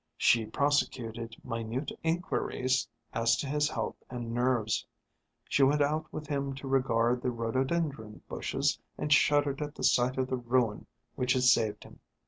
She prosecuted minute inquiries as to his health and nerves. She went out with him to regard the rhododendron bushes, and shuddered at the sight of the ruin which had saved him.